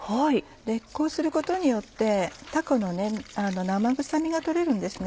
こうすることによってたこの生臭みが取れるんですね。